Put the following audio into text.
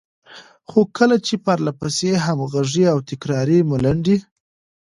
خو کله چې پرلهپسې، همغږې او تکراري ملنډې،